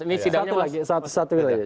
ini sidangnya satu lagi satu satu lagi